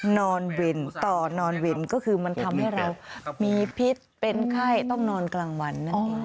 นอนวินต่อนอนวินก็คือมันทำให้เรามีพิษเป็นไข้ต้องนอนกลางวันนั่นเอง